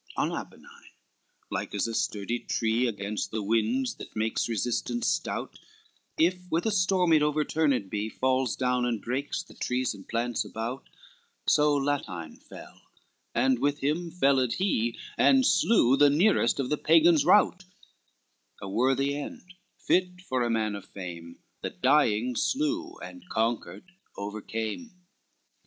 XXXIX On Apennine like as a sturdy tree, Against the winds that makes resistance stout, If with a storm it overturned be, Falls down and breaks the trees and plants about; So Latine fell, and with him felled he And slew the nearest of the Pagans' rout, A worthy end, fit for a man of fame, That dying, slew; and conquered, overcame.